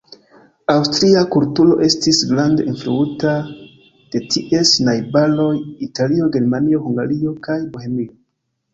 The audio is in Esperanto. Aŭstria kulturo estis grande influita de ties najbaroj, Italio, Germanio, Hungario kaj Bohemio.